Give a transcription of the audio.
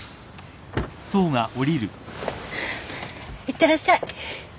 いってらっしゃい。